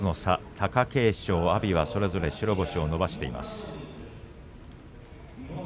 貴景勝、阿炎はそれぞれ白星を伸ばしています。